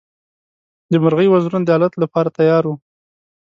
د مرغۍ وزرونه د الوت لپاره تیار وو.